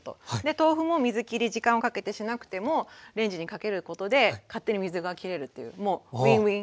豆腐も水きり時間をかけてしなくてもレンジにかけることで勝手に水がきれるっていうもうウィンウィン。